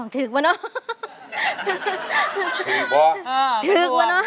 ถึกป่ะเนาะ